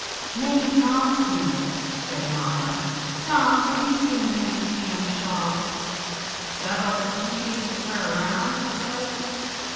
"Maybe Tom's seen it," said mamma. "Tom, have you seen your aunt Pam's shawl?" "That old thing she used to wear around?" I said.